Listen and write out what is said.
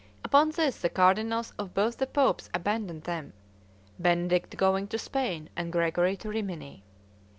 Upon this, the cardinals of both the popes abandoned them, Benedict going to Spain, and Gregory to Rimini.